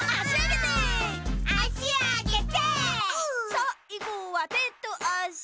さいごはてとあし。